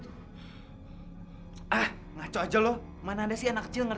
jangan jangan sena keluar